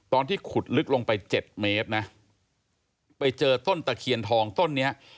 ตอนที่ขุดลึกลงไปเจ็ดเมตรนะไปเจอต้นตะเคียนทองต้นเนี้ย